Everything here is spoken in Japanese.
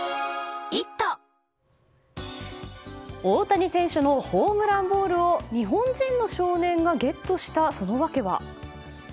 大谷選手のホームランボールを日本人の少年がゲットしたその訳は。